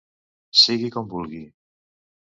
Sigui com vulgui.